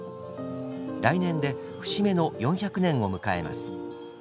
来年で節目の４００年を迎えます。